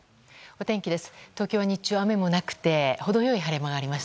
お天気です。